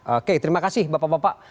oke terima kasih bapak bapak